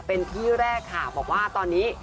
เป็นที่แรกค่ะบอกว่าตอนนี้